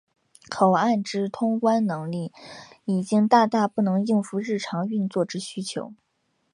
口岸之通关能力已经大大不能应付日常运作之需求。